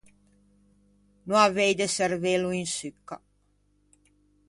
No avei de çervello in succa.